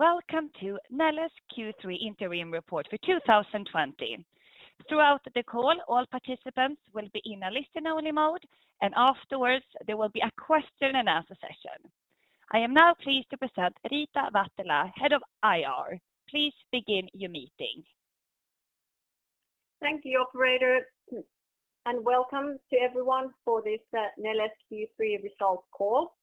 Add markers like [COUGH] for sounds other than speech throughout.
Welcome to Neles Q3 Interim Report for 2020. Throughout the call, all participants will be in a listen-only mode, and afterwards, there will be a question and answer session. I am now pleased to present Rita Uotila, Head of IR. Please begin your meeting. Thank you, operator, and welcome to everyone for this Neles Q3 result call.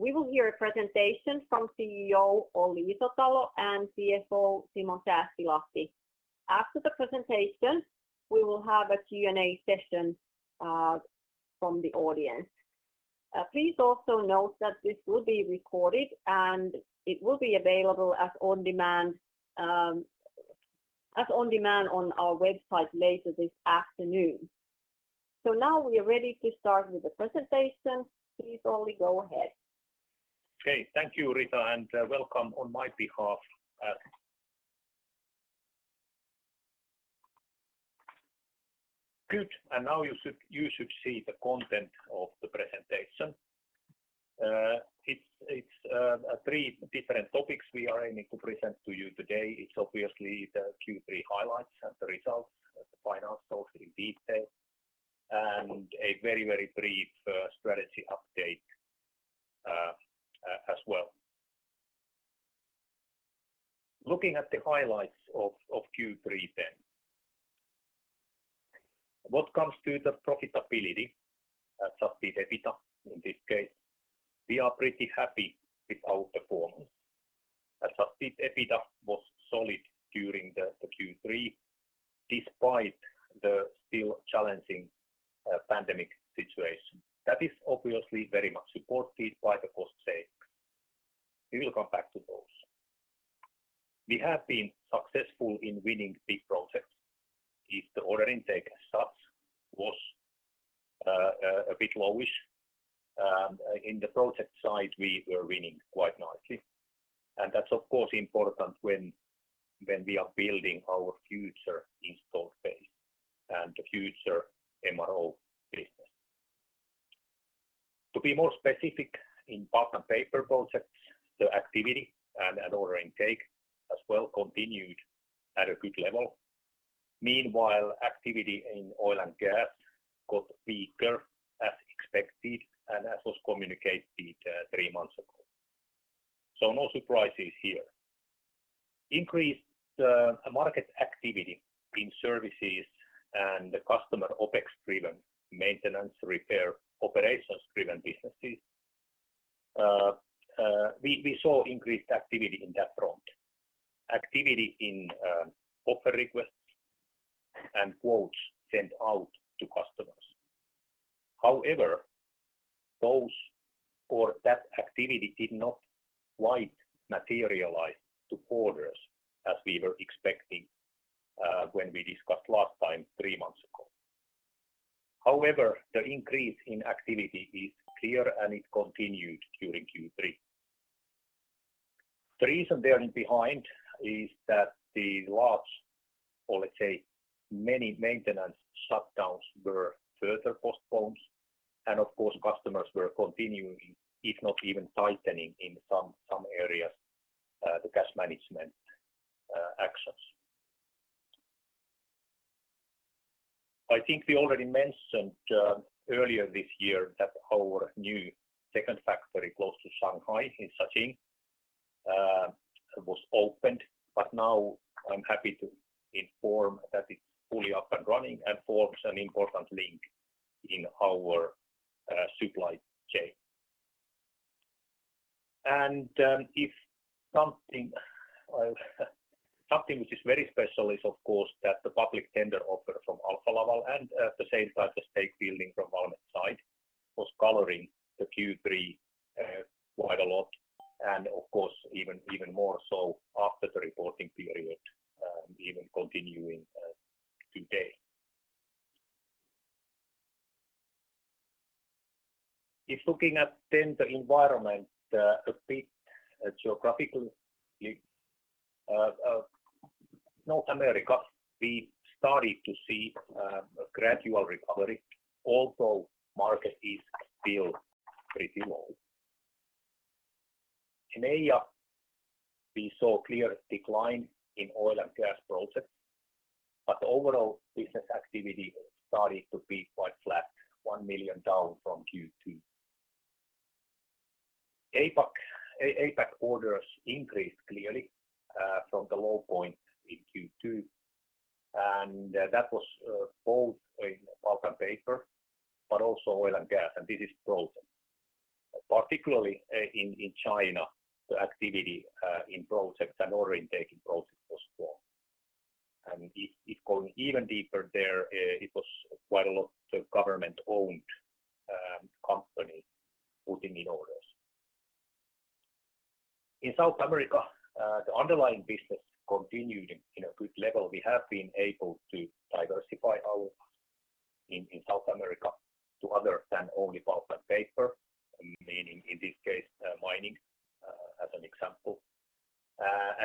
We will hear a presentation from CEO Olli Isotalo and CFO Simo Sääskilahti. After the presentation, we will have a Q&A session from the audience. Please also note that this will be recorded, and it will be available as on-demand on our website later this afternoon. Now we are ready to start with the presentation. Please, Olli, go ahead. Okay. Thank you, Rita, and welcome on my behalf. Good. Now you should see the content of the presentation. It's three different topics we are aiming to present to you today. It's obviously the Q3 highlights and the results, the financials in detail, and a very brief strategy update as well. Looking at the highlights of Q3 then. What comes to the profitability, adjusted EBITDA in this case, we are pretty happy with our performance. Adjusted EBITDA was solid during the Q3, despite the still challenging pandemic situation. That is obviously very much supported by the cost savings. We will come back to those. We have been successful in winning big projects. If the order intake as such was a bit lowish, in the project side, we were winning quite nicely. That's of course important when we are building our future installed base and the future MRO business. To be more specific in pulp and paper projects, the activity and order intake as well continued at a good level. Meanwhile, activity in oil and gas got weaker as expected and as was communicated three months ago. No surprises here. Increased market activity in services and customer OpEx-driven maintenance repair operations-driven businesses. We saw increased activity in that front. Activity in offer requests and quotes sent out to customers. However, that activity did not quite materialize to orders as we were expecting when we discussed last time, three months ago. However, the increase in activity is clear, and it's continuing during Q3. The reason therein behind is that the large, or let's say many maintenance shutdowns were further postponed, and of course, customers were continuing, if not even tightening in some areas, the cash management actions. I think we already mentioned earlier this year that our new second factory close to Shanghai in Jiaxing was opened, now I'm happy to inform that it's fully up and running and forms an important link in our supply chain. Something which is very special is, of course, that the public tender offer from Alfa Laval and at the same time the stake building from Valmet side was coloring the Q3 quite a lot, of course, even more so after the reporting period, even continuing today. Looking at tender environment a bit geographically. North America, we started to see a gradual recovery, although market is still pretty low. In Asia, we saw clear decline in oil and gas projects, overall business activity started to be quite flat, 1 million down from Q2. APAC orders increased clearly from the low point in Q2, and that was both in pulp and paper, but also oil and gas, and this is projects. Particularly in China, the activity in projects and order intake in projects was strong. If going even deeper there, it was quite a lot the government-owned company putting in orders. In South America, the underlying business continued in a good level. We have been able to diversify our business in South America to other than only pulp and paper, meaning in this case, mining, as an example.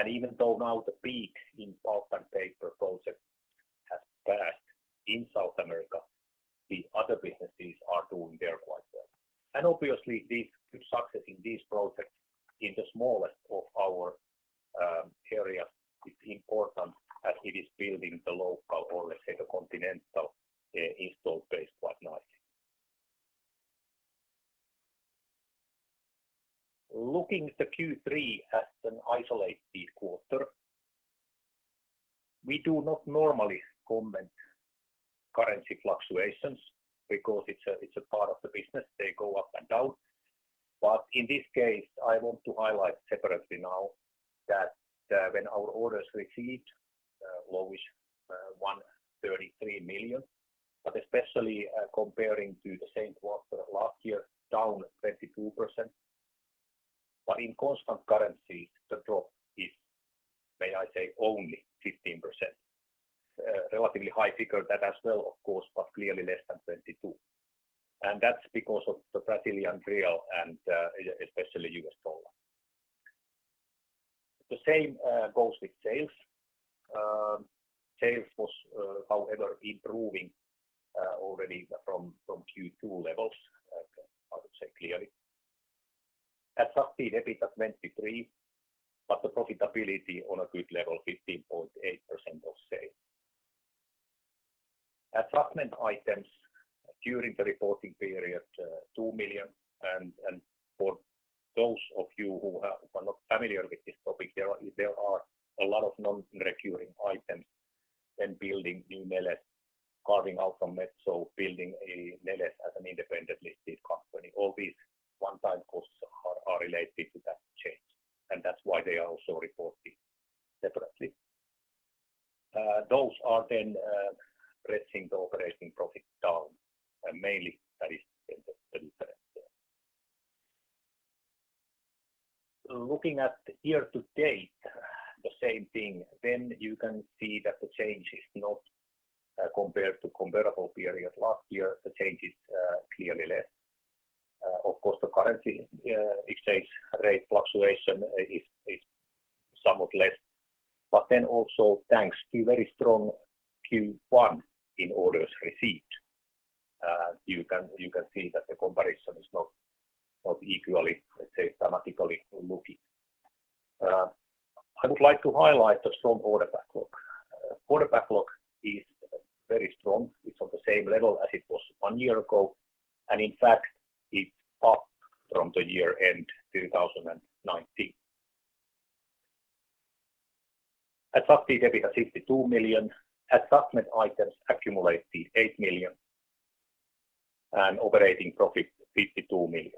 Even though now the peak in pulp and paper projects has passed in South America, the other businesses are doing quite well there. Obviously, this success in these projects in the smallest of our areas is important as it is building the local, or let's say, the continental install base quite nicely. Looking at the Q3 as an isolated quarter, we do not normally comment currency fluctuations because it's a part of the business. They go up and down. In this case, I want to highlight separately now that when our orders received lowest 133 million, especially comparing to the same quarter last year, down 22%. In constant currency, the drop is, may I say, only 15%. A relatively high figure that as well, of course, but clearly less than 22%. That's because of the Brazilian real and especially US Dollar. The same goes with sales. Sales was, however, improving already from Q2 levels, I would say clearly. Adjusted EBITDA, [AUDIO DISTORTION] but the profitability on a good level, 15.8% of sales. Adjustment items during the reporting period, 2 million. For those of you who are not familiar with this topic, there are a lot of non-recurring items when building new Neles, carving out from Metso, building a Neles as an independently listed company. All these one-time costs are related to that change, and that's why they are also reported separately. Those are then pressing the operating profit down, and mainly that is the difference there. Looking at the year to date, the same thing. You can see that the change is not compared to comparable period last year, the change is clearly less. Of course, the currency exchange rate fluctuation is somewhat less. Also thanks to very strong Q1 in orders received, you can see that the comparison is not equally, let's say, dramatically looking. I would like to highlight the strong order backlog. Order backlog is very strong. It's on the same level as it was one year ago, and in fact, it's up from the year-end 2019. Adjusted EBITDA 52 million. Adjustment items accumulated 8 million, and operating profit 52 million.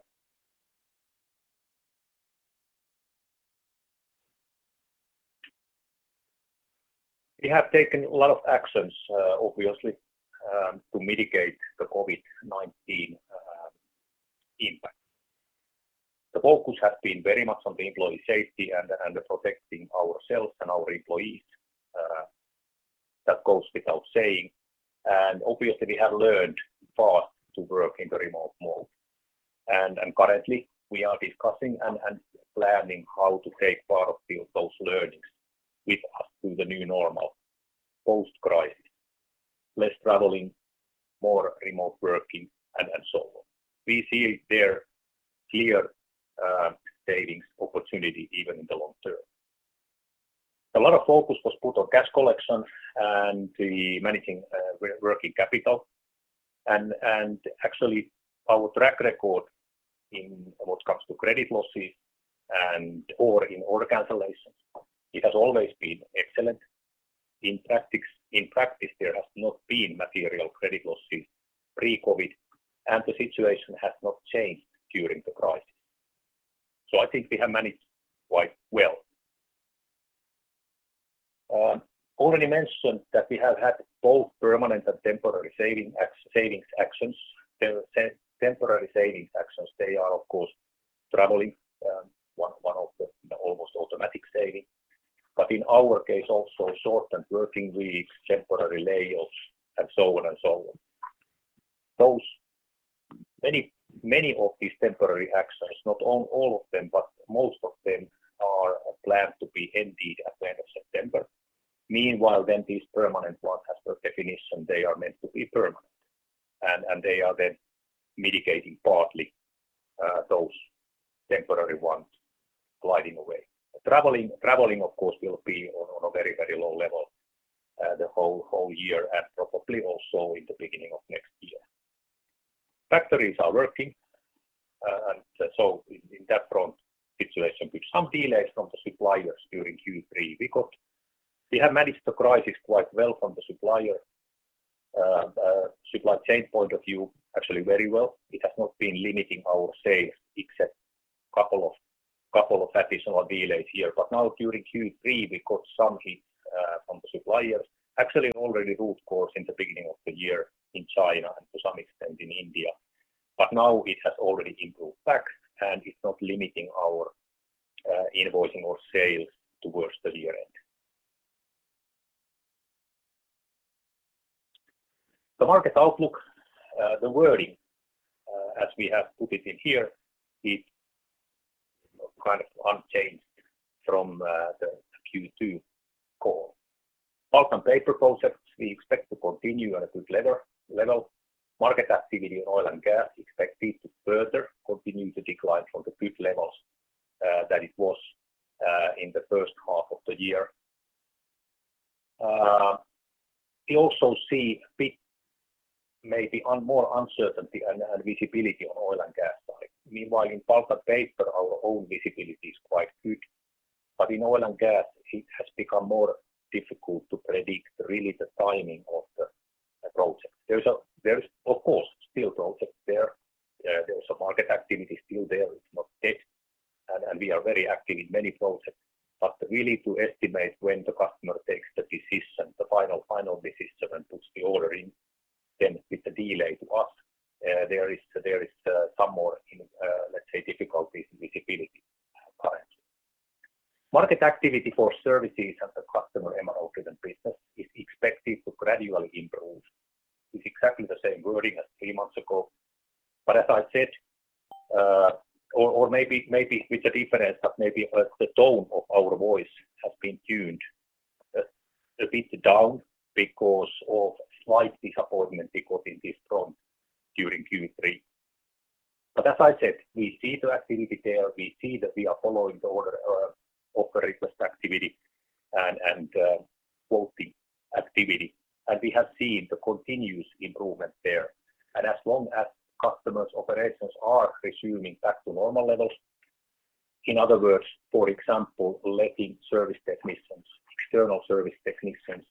We have taken a lot of actions, obviously, to mitigate the COVID-19 impact. The focus has been very much on the employee safety and protecting ourselves and our employees. That goes without saying. Obviously, we have learned fast to work in the remote mode. Currently, we are discussing and planning how to take part of those learnings with us to the new normal post-crisis. Less traveling, more remote working, and so on. We see there clear savings opportunity even in the long term. A lot of focus was put on cash collection and the managing working capital. Actually, our track record in what comes to credit losses and/or in order cancellations, it has always been excellent. In practice, there has not been material credit losses pre-COVID, and the situation has not changed during the crisis. I think we have managed quite well. Already mentioned that we have had both permanent and temporary savings actions. Temporary savings actions, they are, of course, traveling, one of the almost automatic saving. In our case, also shortened working weeks, temporary layoffs, and so on and so on. Many of these temporary actions, not all of them, but most of them are planned to be ending at the end of September. These permanent ones, as per definition, they are meant to be permanent, and they are then mitigating partly those temporary ones gliding away. Traveling, of course, will be on a very low level the whole year and probably also in the beginning of next year. Factories are working. In that front, situation with some delays from the suppliers during Q3. We have managed the crisis quite well from the supply chain point of view, actually very well. It has not been limiting our sales except couple of additional delays here. Now during Q3, we got some hit from the suppliers. Actually, already root cause in the beginning of the year in China and to some extent in India. Now it has already improved back, and it's not limiting our invoicing or sales towards the year end. The market outlook, the wording as we have put it in here, is kind of unchanged from the Q2 call. Pulp and paper projects we expect to continue at a good level. Market activity in oil and gas expected to further continue to decline from the peak levels that it was in the first half of the year. We also see a bit maybe more uncertainty and visibility on oil and gas side. Meanwhile, in pulp and paper, our own visibility is quite good, but in oil and gas, it has become more difficult to predict really the timing of the projects. There's, of course, still projects there. There's a market activity still there. It's not dead, and we are very active in many projects. We need to estimate when the customer takes the decision, the final decision, and puts the order in then with the delay to us, there is some more, let's say, difficulty in visibility currently. Market activity for services as a customer MRO driven business is expected to gradually improve. It is exactly the same wording as three months ago, as I said, or maybe with the difference that maybe the tone of our voice has been tuned a bit down because of slight disappointment because in this front during Q3. As I said, we see the activity there. We see that we are following the order or offer request activity and quoting activity. We have seen the continuous improvement there. As long as customers' operations are resuming back to normal levels, in other words, for example, letting service technicians, external service technicians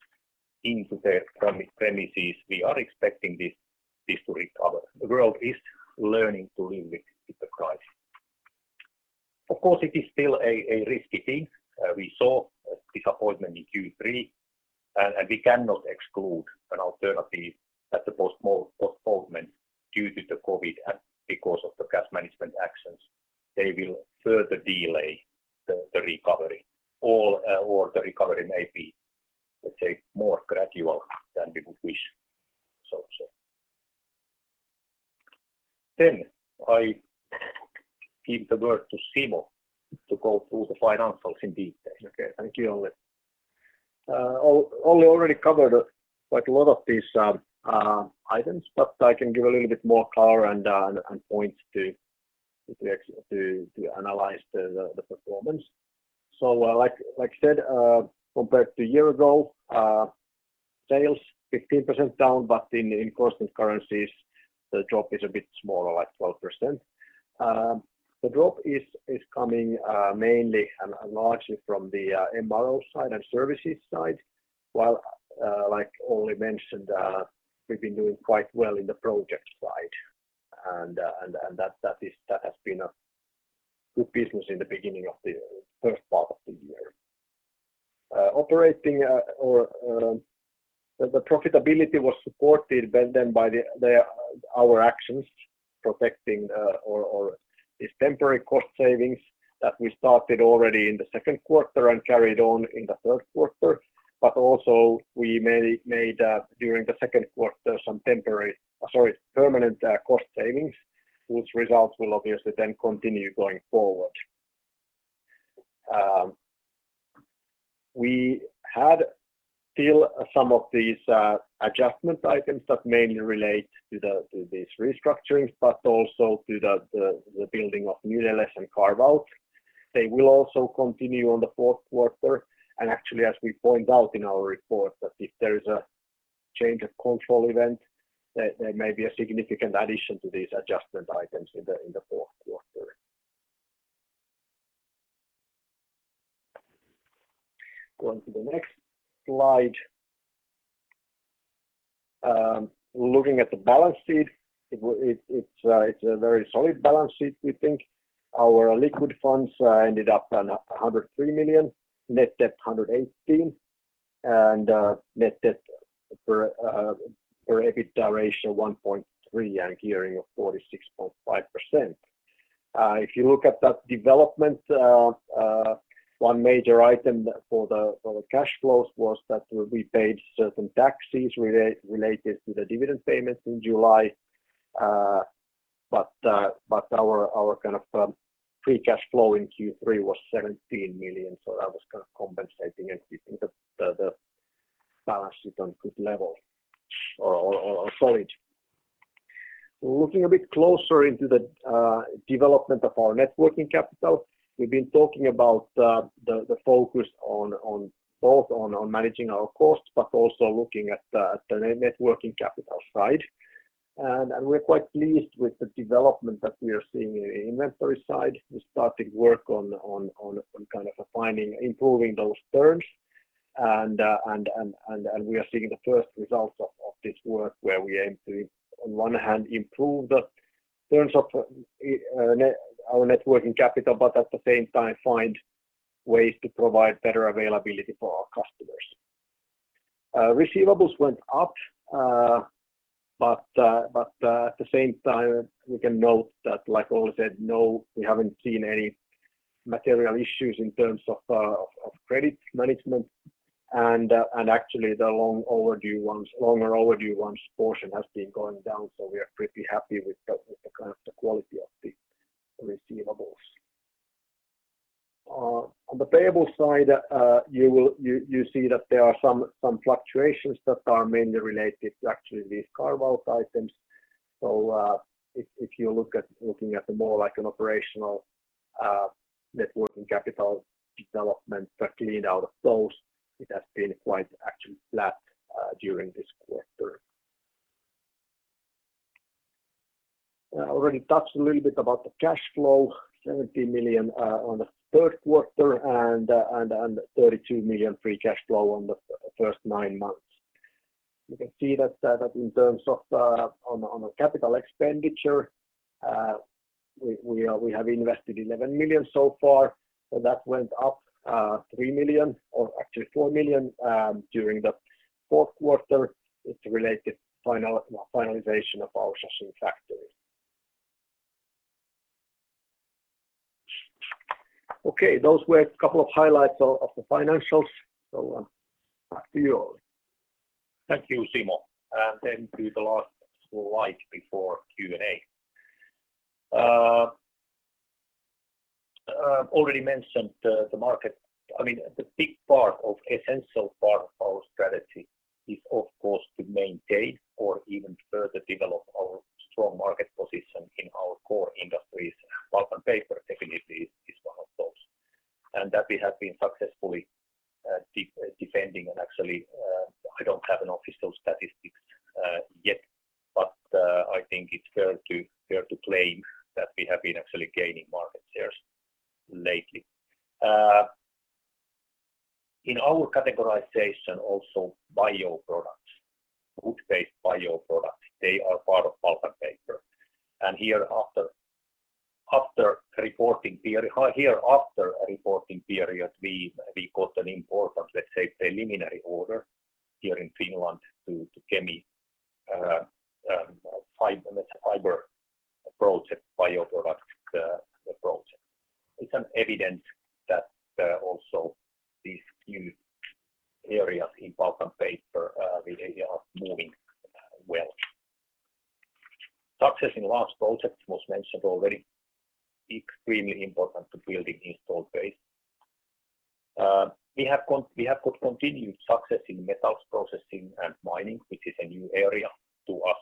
into their premises, we are expecting this to recover. The world is learning to live with the crisis. Of course, it is still a risky thing. We saw disappointment in Q3. We cannot exclude an alternative that the postponement due to the COVID and because of the cash management actions, they will further delay the recovery or the recovery may be, let's say, more gradual than we would wish, so to say. I give the word to Simo to go through the financials in detail. Thank you, Olli. Olli already covered quite a lot of these items, I can give a little bit more color and points to analyze the performance. Like I said, compared to a year ago, sales 15% down, in constant currencies, the drop is a bit smaller, like 12%. The drop is coming mainly and largely from the MRO side and services side, while like Olli mentioned, we've been doing quite well in the project side. That has been a good business in the beginning of the first part of the year. The profitability was supported then by our actions protecting or these temporary cost savings that we started already in the second quarter and carried on in the third quarter. Also we made during the second quarter some temporary, sorry, permanent cost savings whose results will obviously then continue going forward. We had still some of these adjustment items that mainly relate to these restructurings, but also to the building of Neles and carve-out. They will also continue on the fourth quarter, and actually as we point out in our report that if there is a change of control event, there may be a significant addition to these adjustment items in the fourth quarter. Going to the next slide. Looking at the balance sheet, it's a very solid balance sheet, we think. Our liquid funds ended up 103 million, net debt 118 million, and net debt for EBITDA ratio 1.3 and gearing of 46.5%. If you look at that development, one major item for the cash flows was that we paid certain taxes related to the dividend payments in July. Our kind of free cash flow in Q3 was 17 million, so that was kind of compensating and keeping the balance sheet on good level or solid. Looking a bit closer into the development of our net working capital, we've been talking about the focus on both on managing our costs, but also looking at the net working capital side. We're quite pleased with the development that we are seeing in inventory side. We started work on kind of improving those turns, and we are seeing the first results of this work where we aim to, on one hand, improve the turns of our net working capital, but at the same time find ways to provide better availability for our customers. Receivables went up. At the same time, we can note that, like Olli said, no, we haven't seen any material issues in terms of credit management and actually the longer overdue ones portion has been going down. We are pretty happy with the quality of the receivables. On the payable side, you see that there are some fluctuations that are mainly related to actually these carve-out items. If you're looking at more like an operational net working capital development, but cleaned out of those, it has been quite actually flat during this quarter. I already touched a little bit about the cash flow, 17 million on the third quarter and 32 million free cash flow on the first nine months. You can see that in terms of on a capital expenditure, we have invested 11 million so far. That went up 3 million or actually 4 million during the fourth quarter. It is related to finalization of our Jiaxing factory. Okay, those were a couple of highlights of the financials. Back to you, Olli. Thank you, Simo. To the last slide before Q&A. I've already mentioned the market. Essential part of our strategy is, of course, to maintain or even further develop our strong market position in our core industries. Pulp and paper definitely is one of those. That we have been successfully defending and actually, I don't have an official statistics yet, but I think it's fair to claim that we have been actually gaining market shares lately. In our categorization also bioproducts, wood-based bioproducts, they are part of pulp and paper. Here after a reporting period, we got an important, let's say, preliminary order here in Finland to Kemi fiber project, bioproduct project. It's an evidence that also these new areas in pulp and paper really are moving well. Success in large projects was mentioned already, extremely important to building installed base. We have got continued success in metals processing and mining, which is a new area to us,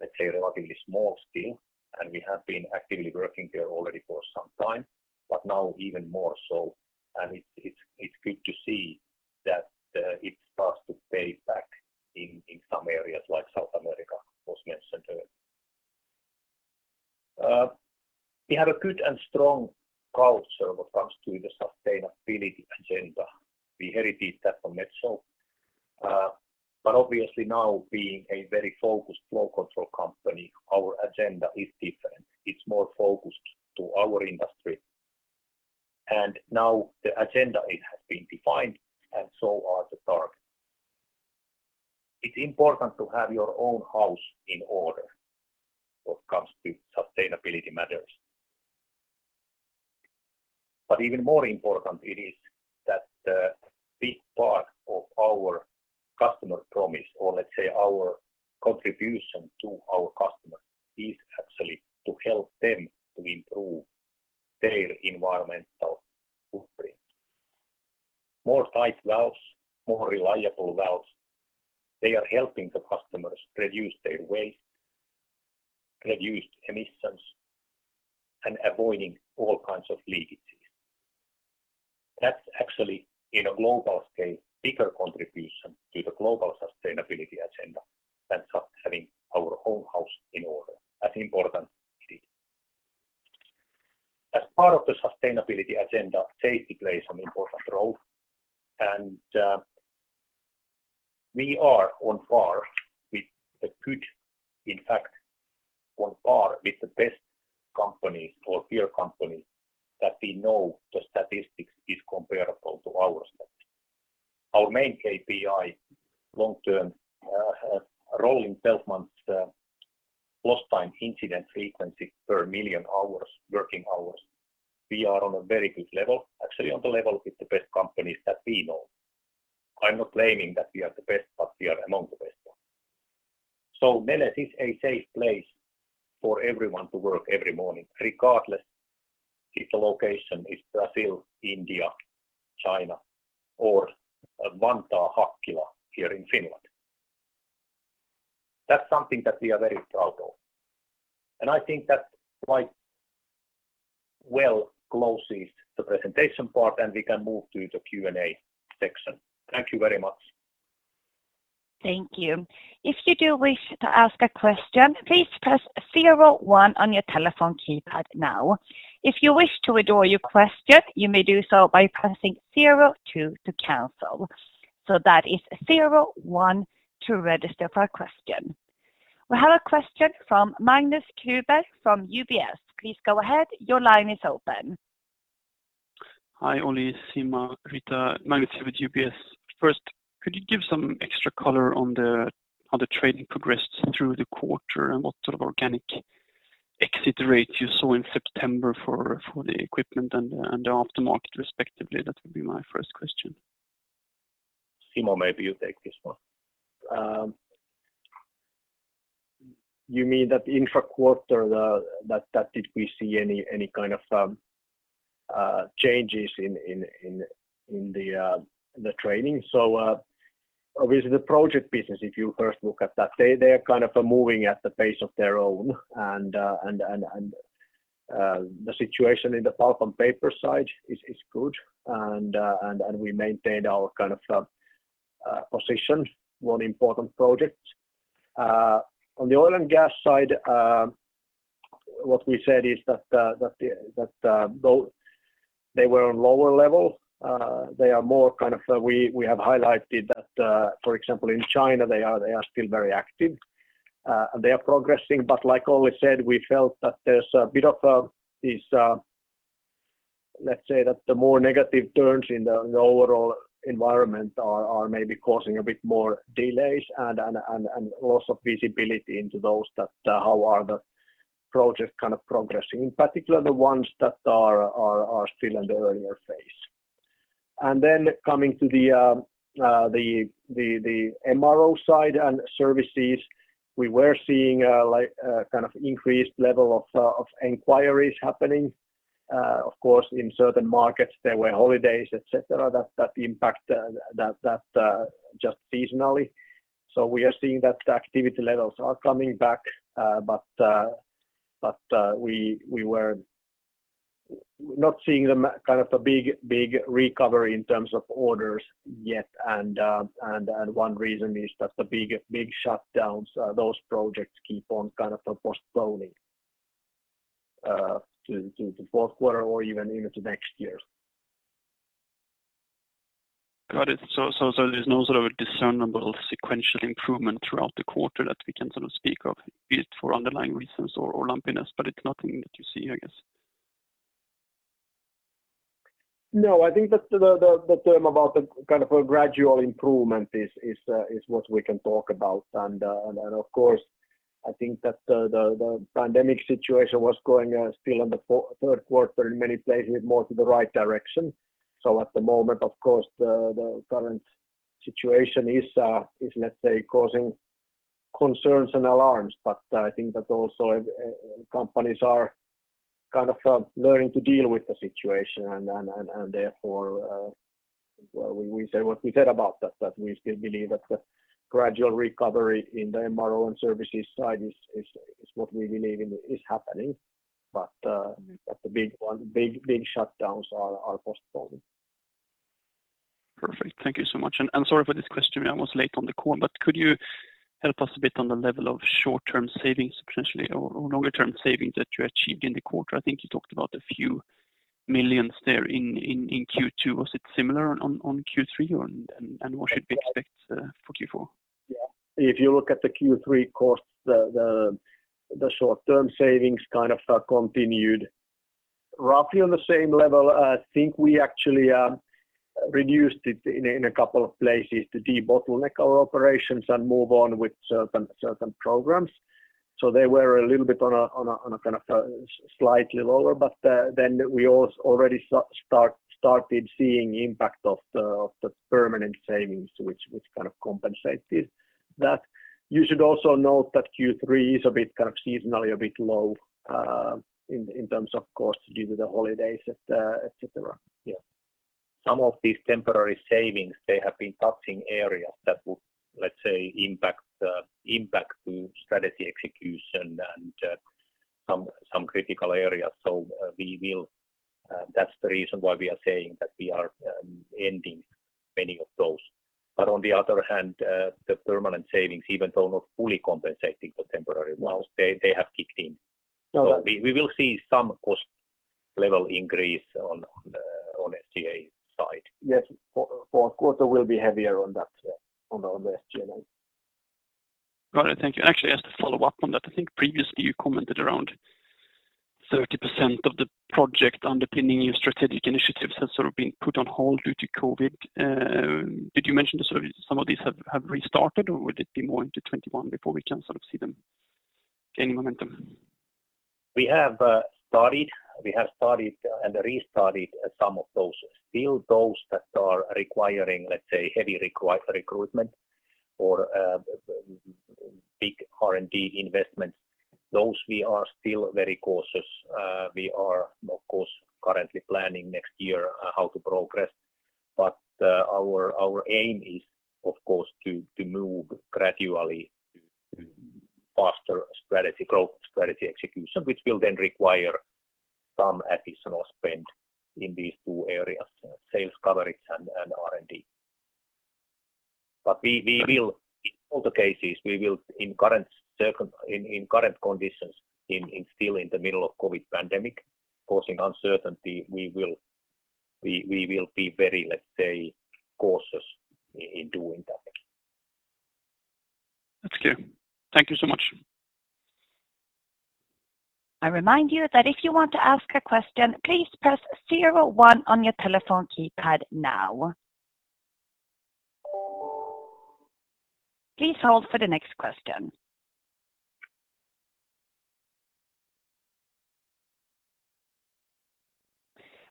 let's say, relatively small still, and we have been actively working there already for some time, but now even more so, and it's good to see that it starts to pay back in some areas like South America was mentioned earlier. We have a good and strong culture when it comes to the sustainability agenda. We inherited that from Metso. Obviously now being a very focused flow control company, our agenda is different. It's more focused to our industry. Now the agenda, it has been defined and so are the targets. It's important to have your own house in order when it comes to sustainability matters. Even more important it is that a big part of our customer promise or let's say our contribution to our customers is actually to help them to improve their environmental footprint. More tight valves, more reliable valves, they are helping the customers reduce their waste, reduced emissions, and avoiding all kinds of leakages. That's actually in a global scale, bigger contribution to the global sustainability agenda than just having our own house in order, as important as it is. As part of the sustainability agenda, safety plays an important role, we are on par with the good, in fact, on par with the best companies or peer companies that we know the statistics is comparable to ours. Our main KPI long-term, rolling 12 months lost time incident frequency per one million hours, working hours, we are on a very good level, actually on the level with the best companies that we know. I'm not claiming that we are the best, but we are among the best ones. Neles is a safe place for everyone to work every morning, regardless if the location is Brazil, India, China, or Vantaa, Hakkila here in Finland. That's something that we are very proud of. I think that quite well closes the presentation part, and we can move to the Q&A section. Thank you very much. Thank you. We have a question from Magnus Kruber from UBS. Please go ahead. Your line is open. Hi, Olli, Simo, Rita. Magnus here with UBS. First, could you give some extra color on the trading progress through the quarter, and what sort of organic exit rate you saw in September for the equipment and the aftermarket respectively? That would be my first question. Simo, maybe you take this one. You mean, intra-quarter, did we see any kind of changes in the trending? With the project business, if you first look at that, they are kind of moving at the pace of their own. The situation in the pulp and paper side is good. We maintained our kind of position on important projects. On the oil and gas side, what we said is that though they were on lower level, we have highlighted that, for example, in China, they are still very active. They are progressing. Like Olli said, we felt that there's a bit of these, let's say, that the more negative turns in the overall environment are maybe causing a bit more delays and loss of visibility into those that how are the projects kind of progressing. In particular, the ones that are still in the earlier phase. Coming to the MRO side and services, we were seeing increased level of inquiries happening. Of course, in certain markets, there were holidays, et cetera, that impact that just seasonally. We are seeing that the activity levels are coming back. We were not seeing a big recovery in terms of orders yet. One reason is that the big shutdowns, those projects keep on kind of postponing to fourth quarter or even into next year. Got it. There's no sort of discernible sequential improvement throughout the quarter that we can sort of speak of, be it for underlying reasons or lumpiness, but it's nothing that you see, I guess. No, I think that the term about a gradual improvement is what we can talk about. Of course, I think that the pandemic situation was going still in the third quarter in many places more to the right direction. At the moment, of course, the current situation is, let's say, causing concerns and alarms, but I think that also companies are kind of learning to deal with the situation. Therefore, we say what we said about that we still believe that the gradual recovery in the MRO and services side is what we believe in is happening. The big shutdowns are postponed. Perfect. Thank you so much. I'm sorry for this question, I was late on the call. Could you help us a bit on the level of short-term savings potentially, or longer-term savings that you achieved in the quarter? I think you talked about a few millions there in Q2. Was it similar on Q3, and what should we expect for Q4? If you look at the Q3 costs, the short-term savings kind of continued roughly on the same level. I think we actually reduced it in a couple of places to debottleneck our operations and move on with certain programs. They were a little bit on a kind of slightly lower, but then we already started seeing impact of the permanent savings, which kind of compensated that. You should also note that Q3 is a bit kind of seasonally a bit low in terms of costs due to the holidays, et cetera. Yeah. Some of these temporary savings, they have been touching areas that would, let's say, impact the strategy execution and some critical areas. That's the reason why we are saying that we are ending many of those. On the other hand, the permanent savings, even though not fully compensating for temporary ones, they have kicked in. We will see some cost level increase on SG&A side. Yes. Fourth quarter will be heavier on the SG&A. Got it. Thank you. Actually, as to follow up on that, I think previously you commented around 30% of the project underpinning your strategic initiatives has sort of been put on hold due to COVID. Did you mention sort of some of these have restarted or would it be more into 2021 before we can sort of see them gaining momentum? We have started and restarted some of those. Still, those that are requiring, let's say, heavy recruitment or big R&D investments, those we are still very cautious. We are, of course, currently planning next year how to progress. Our aim is, of course, to move gradually to faster strategy growth, strategy execution, which will then require some additional spend in these two areas, sales coverage and R&D. In all the cases, in current conditions, in still in the middle of COVID pandemic causing uncertainty, we will be very, let's say, cautious in doing that. That's clear. Thank you so much.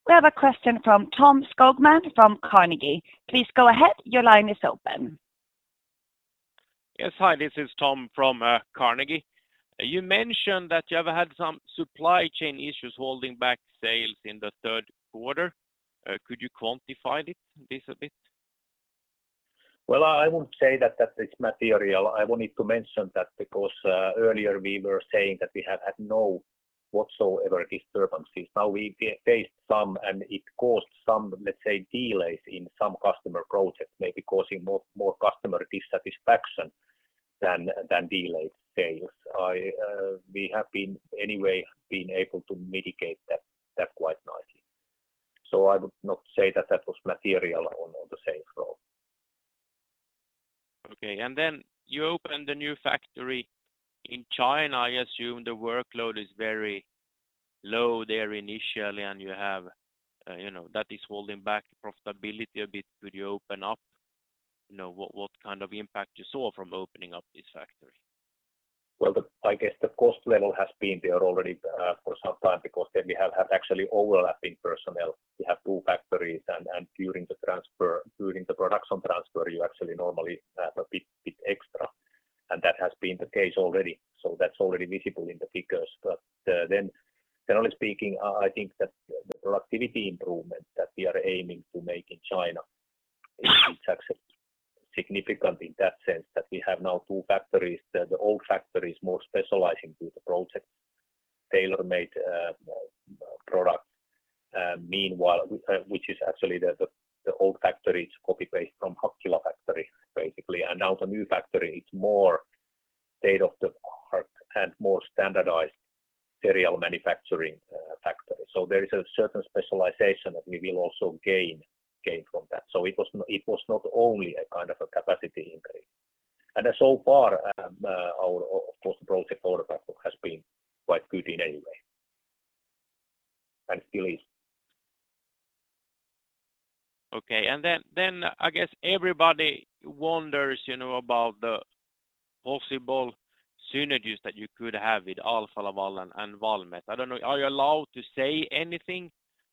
We have a question from Tom Skogman from Carnegie. Please go ahead. Your line is open. Yes. Hi, this is Tom from Carnegie. You mentioned that you have had some supply chain issues holding back sales in the third quarter. Could you quantify this a bit? Well, I wouldn't say that is material. I wanted to mention that because earlier we were saying that we have had no whatsoever disturbances. Now we faced some, and it caused some, let's say, delays in some customer projects, maybe causing more customer dissatisfaction than delayed sales. We have been, anyway, being able to mitigate that quite nicely. I would not say that was material on the sales though. Okay. You opened the new factory in China. I assume the workload is very low there initially, and that is holding back profitability a bit. Could you open up what kind of impact you saw from opening up this factory? I guess the cost level has been there already for some time because then we have had actually overlapping personnel. We have two factories, and during the production transfer, you actually normally have a bit extra, and that has been the case already. That's already visible in the figures. Generally speaking, I think that the productivity improvement that we are aiming to make in China is actually significant in that sense that we have now two factories. The old factory is more specializing to the project tailor-made product, which is actually the old factory is copy-paste from Hakkila factory, basically. Now the new factory is more state-of-the-art and more standardized serial manufacturing factory. There is a certain specialization that we will also gain from that. It was not only a kind of a capacity increase. So far, our project order book has been quite good in any way. Still is. Okay, I guess everybody wonders about the possible synergies that you could have with Alfa Laval and Valmet. I don't know, are you allowed to say anything?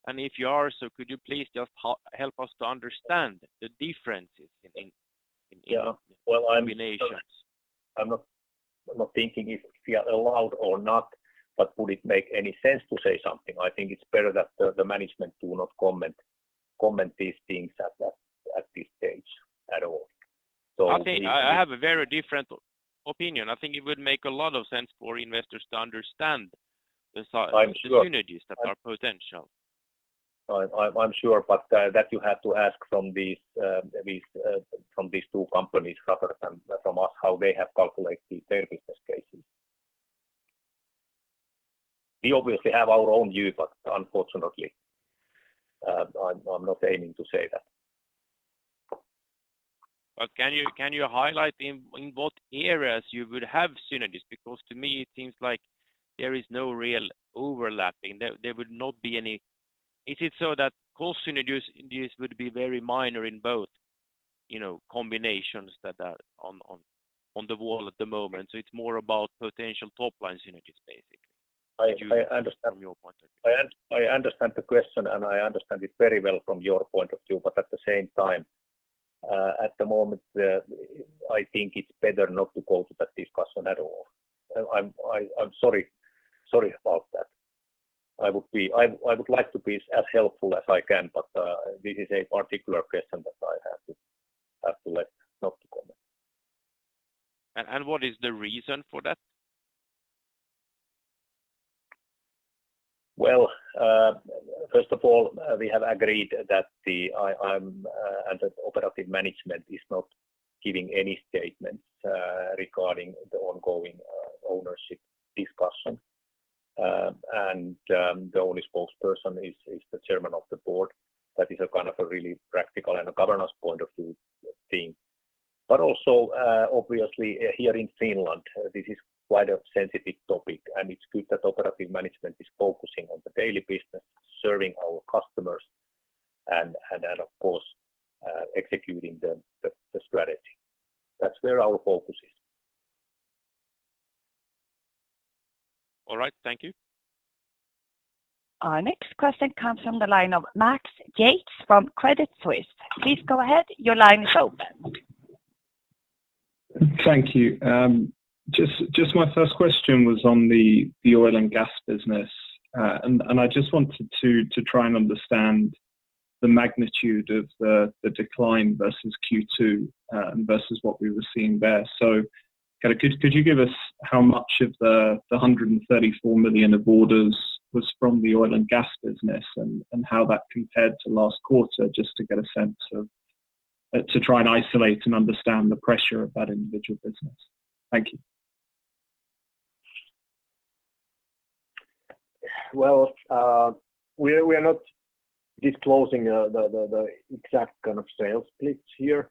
If you are so, could you please just help us to understand the differences in combinations? I'm not thinking if we are allowed or not, but would it make any sense to say something? I think it's better that the management do not comment these things at this stage at all. I have a very different opinion. I think it would make a lot of sense for investors to understand the I'm sure. synergies that are potential. I'm sure, but that you have to ask from these two companies rather than from us how they have calculated their business cases. We obviously have our own view, but unfortunately, I'm not aiming to say that. Can you highlight in what areas you would have synergies? To me it seems like there is no real overlapping. Is it so that cost synergies would be very minor in both combinations that are on the wall at the moment? It's more about potential top-line synergies, basically. I understand. From your point of view. I understand the question, and I understand it very well from your point of view, but at the same time, at the moment, I think it's better not to go to that discussion at all. I'm sorry about that. I would like to be as helpful as I can, but this is a particular question that I have to let not to comment. What is the reason for that? Well, first of all, we have agreed that I, as the operative management, is not giving any statements regarding the ongoing ownership discussion. The only spokesperson is the chairman of the board. That is a kind of a really practical and a governance point of view thing. Also obviously here in Finland, this is quite a sensitive topic, and it's good that operative management is focusing on the daily business, serving our customers and then, of course, executing the strategy. That's where our focus is. All right. Thank you. Our next question comes from the line of Max Yates from Credit Suisse. Please go ahead, your line is open. Thank you. Just my first question was on the oil and gas business. I just wanted to try and understand the magnitude of the decline versus Q2 and versus what we were seeing there. Could you give us how much of the 134 million of orders was from the oil and gas business, and how that compared to last quarter, just to get a sense of, to try and isolate and understand the pressure of that individual business? Thank you. Well, we are not disclosing the exact sales splits here.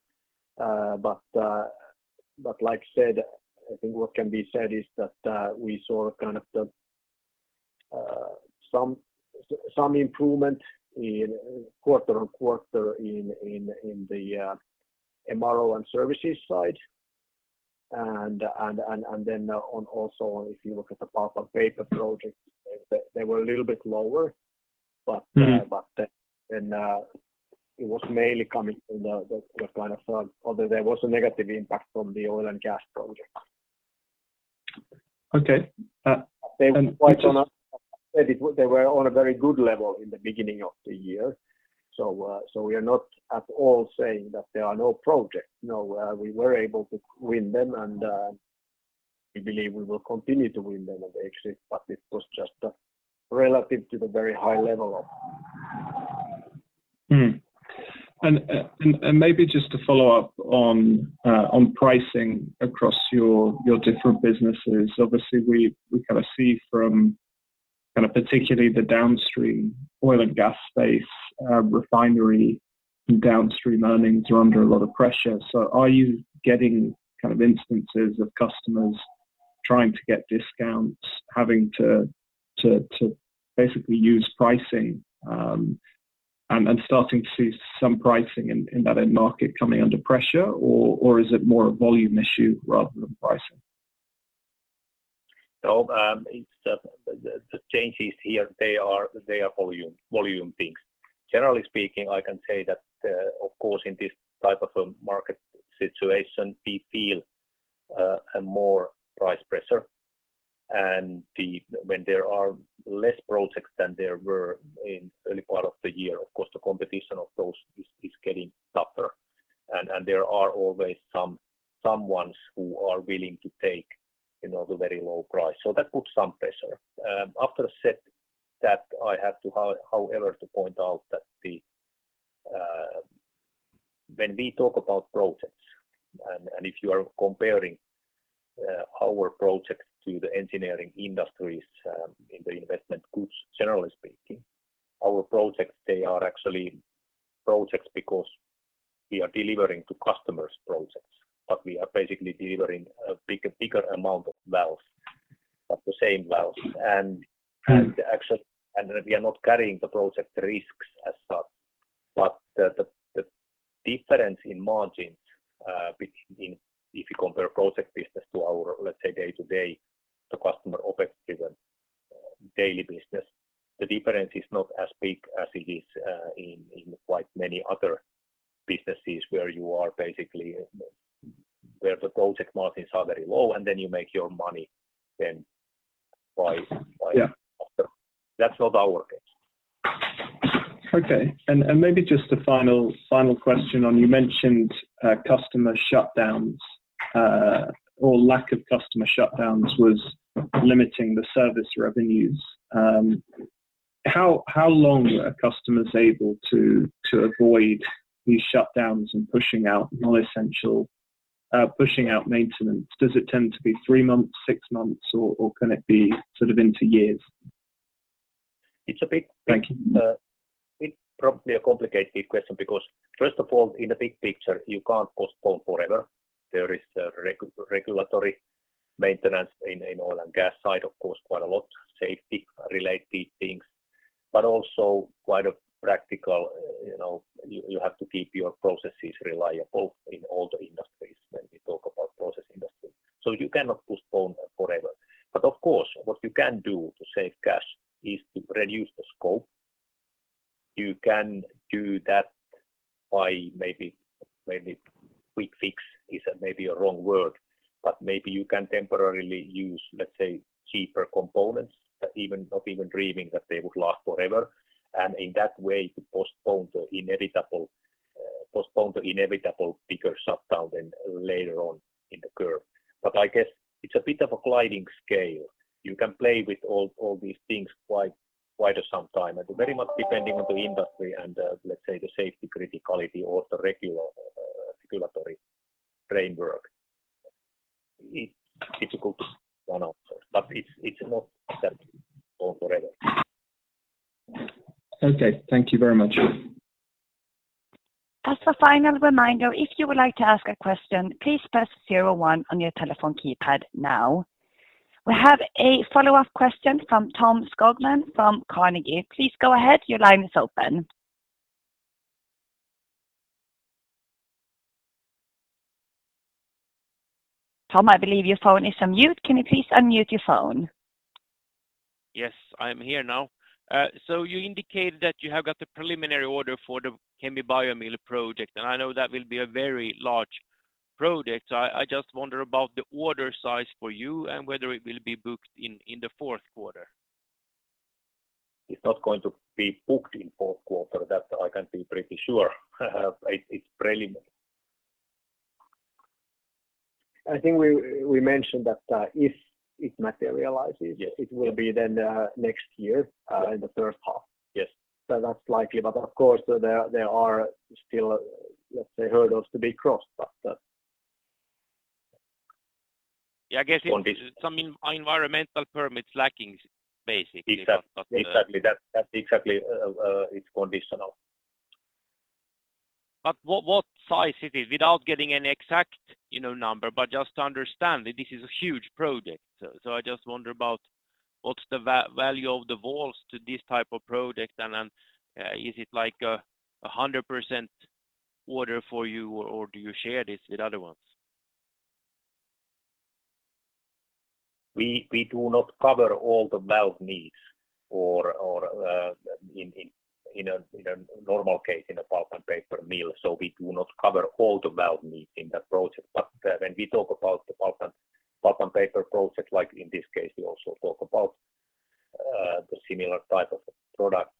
Like I said, I think what can be said is that we saw some improvement in quarter-on-quarter in the MRO and services side. Also if you look at the pulp and paper projects, they were a little bit lower. It was mainly coming from the kind of fund, although there was a negative impact from the oil and gas project. Okay. They were on a very good level in the beginning of the year. We are not at all saying that there are no projects. No, we were able to win them, and we believe we will continue to win them, actually, but it was just relative to the very high level of. Maybe just to follow up on pricing across your different businesses. Obviously, we kind of see from kind of particularly the downstream oil and gas space, refinery and downstream earnings are under a lot of pressure. Are you getting instances of customers trying to get discounts, having to basically use pricing, and starting to see some pricing in that end market coming under pressure? Or is it more a volume issue rather than pricing? No, the changes here, they are volume things. Generally speaking, I can say that, of course, in this type of a market situation, we feel a more price pressure and when there are less projects than there were in early part of the year, of course, the competition of those is getting tougher. There are always someones who are willing to take the very low price. That puts some pressure. After said that, I have however to point out that when we talk about projects, and if you are comparing our projects to the engineering industries in the investment goods, generally speaking, our projects, they are actually projects because we are delivering to customers projects. We are basically delivering a bigger amount of valves, of the same valves. We are not carrying the project risks as such. The difference in margins between if you compare project business to our, let's say, day to day customer operations, daily business, the difference is not as big as it is in quite many other businesses where the project margins are very low, and then you make your money then. Yeah. That's not our case. Okay. Maybe just a final question on, you mentioned customer shutdowns or lack of customer shutdowns was limiting the service revenues. How long were customers able to avoid these shutdowns and pushing out non-essential maintenance? Does it tend to be three months, six months, or can it be sort of into years? It's a bit- Thank you It's probably a complicated question because first of all, in the big picture, you can't postpone forever. There is regulatory maintenance in oil and gas side, of course, quite a lot safety related things, but also quite a practical, you have to keep your processes reliable in all the industries when we talk about process industry. You cannot postpone forever. Of course, what you can do to save cash is to reduce the scope. You can do that by maybe, quick fix is maybe a wrong word, but maybe you can temporarily use, let's say, cheaper components that not even dreaming that they would last forever. In that way to postpone the inevitable bigger shutdown then later on in the curve. I guess it's a bit of a gliding scale. You can play with all these things quite some time and very much depending on the industry and, let's say, the safety criticality or the regulatory framework. It's difficult to one answer, but it's not that all forever. Okay. Thank you very much. As a final reminder, if you would like to ask a question, please press zero one on your telephone keypad now. We have a follow-up question from Tom Skogman from Carnegie. Please go ahead. Your line is open. Tom, I believe your phone is on mute. Can you please unmute your phone? Yes, I'm here now. You indicated that you have got the preliminary order for the Kemi bioproduct mill project, and I know that will be a very large project. I just wonder about the order size for you and whether it will be booked in the fourth quarter. It's not going to be booked in fourth quarter. That I can be pretty sure it's preliminary. I think we mentioned that if it materializes- Yes it will be then next year in the first half. Yes. That's likely, but of course, there are still, let's say, hurdles to be crossed. Yeah, I guess some environmental permits lacking basically. Exactly. That's exactly it's conditional. What size it is without getting an exact number, but just to understand that this is a huge project. I just wonder about what's the value of the valves to this type of project? Is it like 100% order for you or do you share this with other ones? We do not cover all the valve needs or in a normal case in a pulp and paper mill. We do not cover all the valve needs in that project. When we talk about the pulp and paper project, like in this case, we also talk about the similar type of product.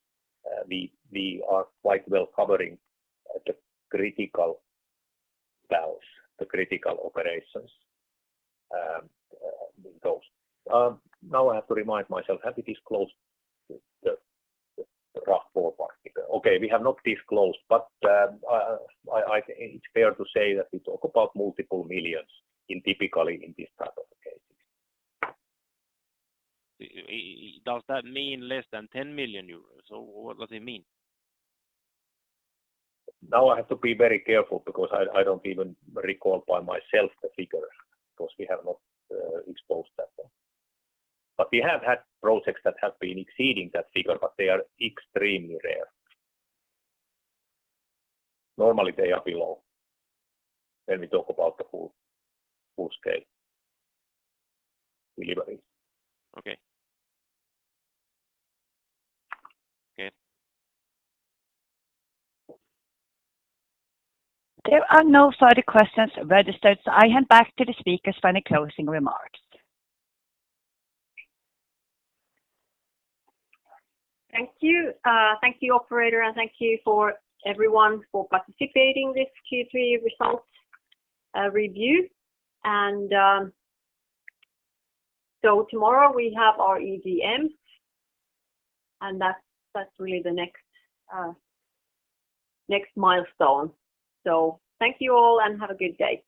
We are quite well covering the critical valves, the critical operations in those. Now I have to remind myself, have we disclosed the rough ballpark figure? Okay, we have not disclosed, but it's fair to say that we talk about multiple millions in typically in this type of cases. Does that mean less than 10 million euros or what does it mean? I have to be very careful because I don't even recall by myself the figure because we have not exposed that one. We have had projects that have been exceeding that figure, but they are extremely rare. Normally they are below when we talk about the full-scale delivery. Okay. There are no further questions registered, so I hand back to the speakers for any closing remarks. Thank you. Thank you, operator, thank you everyone for participating this Q3 results review. Tomorrow we have our EGM and that's really the next milestone. Thank you all and have a good day.